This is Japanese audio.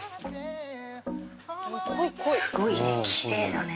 すごいね。